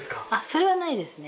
それはないですね